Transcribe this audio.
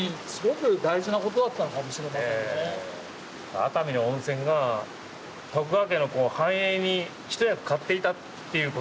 熱海の温泉が徳川家の繁栄に一役買っていたっていうことですもんね。